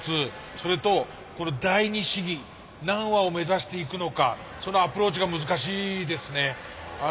それとこれ第二試技何羽を目指していくのかそのアプローチが難しいですね。